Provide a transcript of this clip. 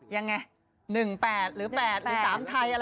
ยังไง๑๘หรือ๘หรือ๓ไทยอะไร